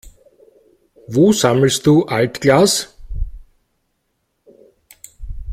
Wo sammelst du Altglas?